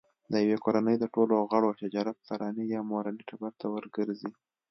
د یوې کورنۍ د ټولو غړو شجره پلرني یا مورني ټبر ته ورګرځي.